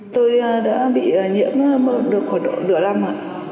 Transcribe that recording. tôi đã bị nhiễm được khoảng nửa năm rồi